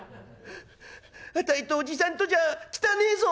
あたいとおじさんとじゃあ汚えぞ」。